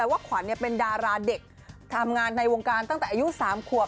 ว่าขวัญเป็นดาราเด็กทำงานในวงการตั้งแต่อายุ๓ขวบ